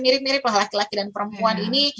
mirip mirip lah laki laki dan perempuan ini